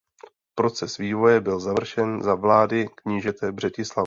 Proces vývoje byl završen za vlády knížete Břetislava.